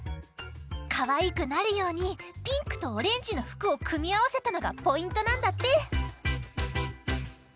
かわいくなるようにピンクとオレンジのふくをくみあわせたのがポイントなんだって。